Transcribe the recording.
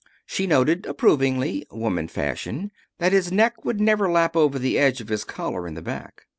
She noted, approvingly, woman fashion, that his neck would never lap over the edge of his collar in the back.